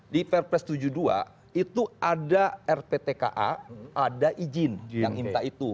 di perpres tujuh puluh dua itu ada rptka ada izin yang minta itu